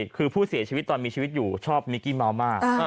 คือผู้เสียชีวิตตอนมีชีวิตอยู่ชอบนิกกี้เมามาก